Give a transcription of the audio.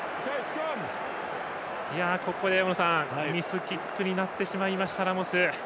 ここで大野さんミスキックになってしまいましたラモス。